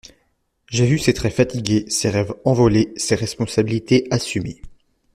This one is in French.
J’ai vu ses traits fatigués, ses rêves envolés, ses responsabilités assumées.